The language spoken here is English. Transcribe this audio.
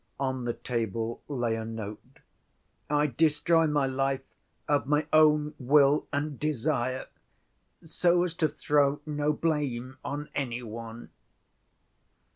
On the table lay a note: "I destroy my life of my own will and desire, so as to throw no blame on any one."